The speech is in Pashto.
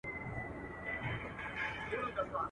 آخر به وار پر سینه ورکړي.